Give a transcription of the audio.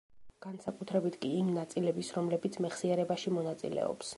განსაკუთრებით კი იმ ნაწილების, რომლებიც მეხსიერებაში მონაწილეობს.